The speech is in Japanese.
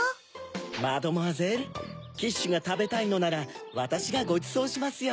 マドモアゼルキッシュがたべたいのならわたしがごちそうしますよ。